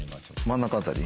真ん中辺り？